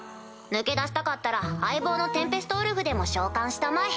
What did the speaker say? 抜け出したかったら相棒のテンペストウルフでも召喚したまえ。